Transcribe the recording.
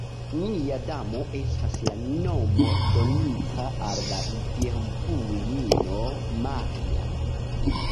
Nia Damo estas la nomo donita al la Virgulino Maria.